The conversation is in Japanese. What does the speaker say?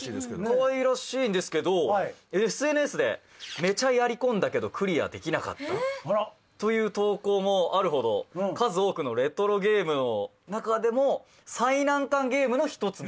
可愛らしいんですけどＳＮＳで「めちゃやり込んだけどクリアできなかった」という投稿もあるほど数多くのレトロゲームの中でも最難関ゲームの１つ。